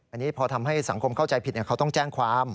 อันนี้พอทำให้สังคมเข้าใจผิดเขาต้องแจ้งความ